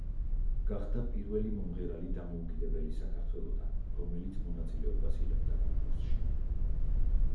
გახდა პირველი მომღერალი დამოუკიდებელი საქართველოდან, რომელიც მონაწილეობას იღებდა კონკურსში.